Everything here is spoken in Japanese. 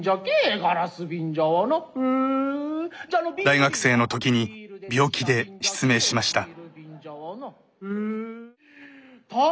大学生のときに病気で失明しました。